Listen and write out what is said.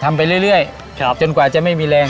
ไปเรื่อยจนกว่าจะไม่มีแรง